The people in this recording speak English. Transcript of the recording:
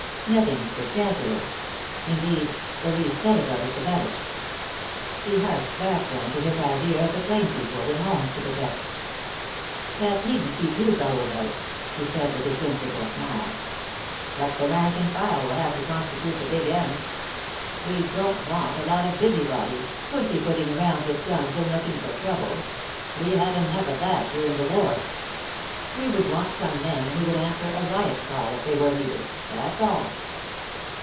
Nothing spectacular; indeed, the least said about it the better. He harked back then to his idea of the plain people, with homes to protect. "That needn't keep you fellows out," he said, with his whimsical smile. "But the rank and file will have to constitute the big end. We don't want a lot of busybodies, pussy footing around with guns and looking for trouble. We had enough of that during the war. We would want some men who would answer a riot call if they were needed. That's all."